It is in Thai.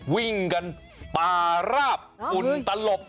วิ่งกันป่าราบฝุ่นตลบ